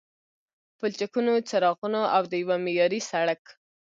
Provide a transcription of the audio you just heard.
پلچکونو، څراغونو او د یوه معیاري سړک